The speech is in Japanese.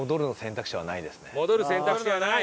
戻る選択肢はない！